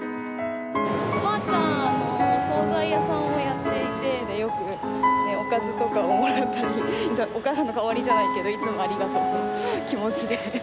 おばあちゃんはお総菜屋さんをやっていて、よくおかずとかをもらったり、お母さんの代わりじゃないけど、いつもありがとうの気持ちで。